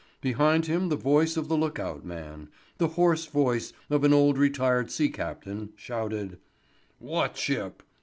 Behind him the voice of the look out man, the hoarse voice of an old retired sea captain, shouted: "What ship?"